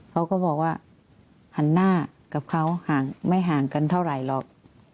เขาก็บอกว่าหันหน้ากับเขาห่างไม่ห่างกันเท่าไหร่หรอก